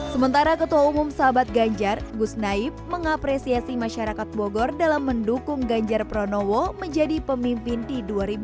sementara ketua umum sahabat ganjar gus naib mengapresiasi masyarakat bogor dalam mendukung ganjar pranowo menjadi pemimpin di dua ribu dua puluh